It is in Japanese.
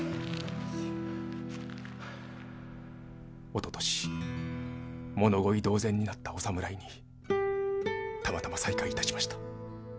おととしものごい同然になったお侍にたまたま再会いたしました。